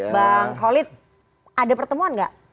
bang khalid ada pertemuan nggak